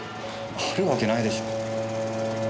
あるわけないでしょう。